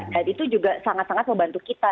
dan itu juga sangat sangat membantu kita